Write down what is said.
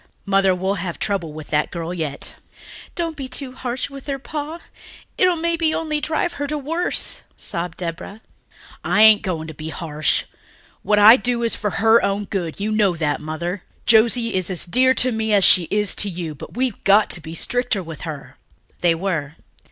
Mother, we'll have trouble with that girl yet." "Don't be too harsh with her, Pa ... it'll maybe only drive her to worse," sobbed Deborah. "I ain't going to be harsh. What I do is for her own good, you know that, Mother. Josie is as dear to me as she is to you, but we've got to be stricter with her." They were.